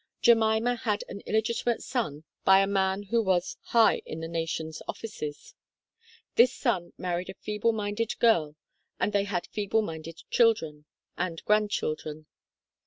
Jemima had an illegitimate son by a man who was high in the Nation's offices . This son married a feeble minded girl and they had feeble minded children, and grandchildren.